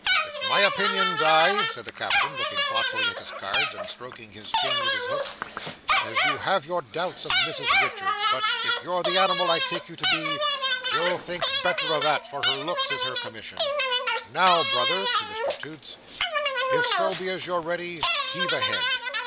"It's my opinion, Di," said the Captain, looking thoughtfully at his cards, and stroking his chin with his hook, "as you have your doubts of Mrs Richards; but if you're the animal I take you to be, you'll think better o' that; for her looks is her commission. Now, Brother:" to Mr Toots: "if so be as you're ready, heave ahead."